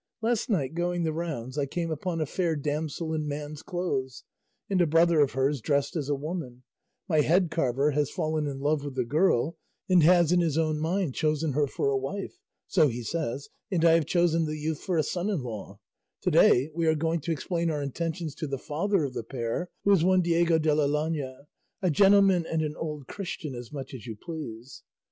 Last night going the rounds I came upon a fair damsel in man's clothes, and a brother of hers dressed as a woman; my head carver has fallen in love with the girl, and has in his own mind chosen her for a wife, so he says, and I have chosen youth for a son in law; to day we are going to explain our intentions to the father of the pair, who is one Diego de la Llana, a gentleman and an old Christian as much as you please.